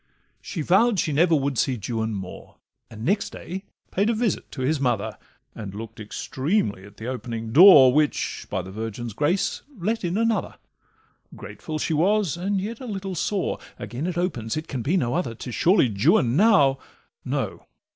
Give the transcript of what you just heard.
She vow'd she never would see Juan more, And next day paid a visit to his mother, And look'd extremely at the opening door, Which, by the Virgin's grace, let in another; Grateful she was, and yet a little sore— Again it opens, it can be no other, 'Tis surely Juan now—No!